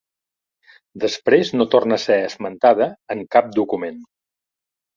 Després no torna a ser esmentada en cap document.